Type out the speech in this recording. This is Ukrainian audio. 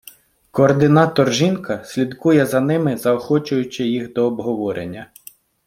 Координатор - жінка слідує за ними, заохочуючи їх до обговорення.